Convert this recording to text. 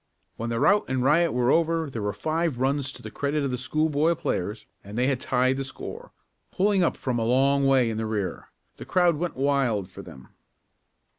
When the route and riot were over there were five runs to the credit of the schoolboy players and they had tied the score, pulling up from a long way in the rear. The crowd went wild for them.